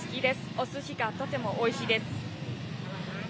おすしがとてもおいしいです。